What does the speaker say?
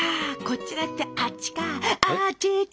こっちだったあっちか。